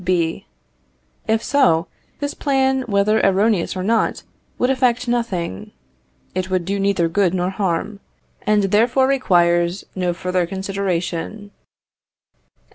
B. If so, this plan, whether erroneous or not, would effect nothing; it would do neither good nor harm, and therefore requires no further consideration.